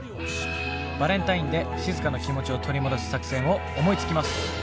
バレンタインでしずかの気持ちを取り戻す作戦を思いつきます！